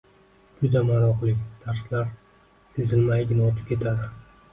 Juda maroqli, darslar sezilmaygina o‘tib ketadi